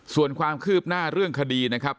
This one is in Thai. ส่วนความคืบหน้าเรื่องคดีนะครับ